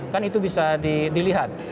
kan itu bisa dilihat